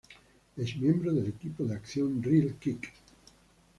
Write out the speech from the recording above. Es miembro del equipo de acción "Reel Kick".